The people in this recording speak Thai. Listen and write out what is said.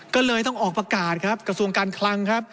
ก็เลยต้องออกประกาศครับกระทรวงการคลังครับ